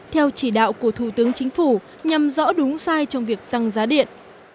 theo chỉ đạo của thủ tướng chính phủ nhằm rõ đúng sai trong việc tăng giá điện